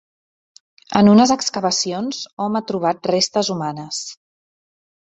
En unes excavacions hom ha trobat restes humanes.